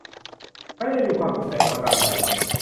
ไม่ได้มีความสุขแต่ประการใด